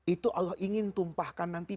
itu allah ingin tumpahkan nanti